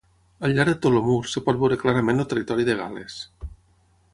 Al llarg de tot el mur es pot veure clarament el territori de Gal·les.